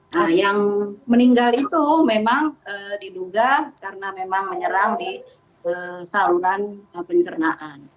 nah yang meninggal itu memang diduga karena memang menyerang di saluran pencernaan